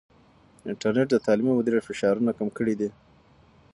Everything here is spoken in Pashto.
انټرنیټ د تعلیمي مدیریت فشارونه کم کړي دي.